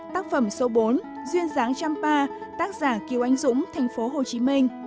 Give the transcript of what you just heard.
tác phẩm số bốn duyên dáng trăm pa tác giả kiều ánh dũng tp hcm